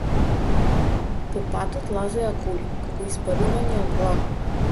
По патот лазеа коли како испарувања од влага.